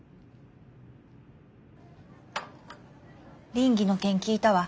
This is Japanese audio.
稟議の件聞いたわ。